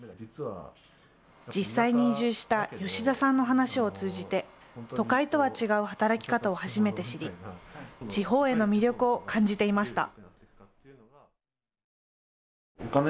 実際に移住した吉田さんの話を通じて都会とは違う働き方を初めて知り地方への魅力を感じていました。